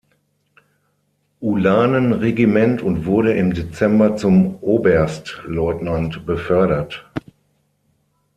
Ulanen-Regiment und wurde im Dezember zum Oberstleutnant befördert.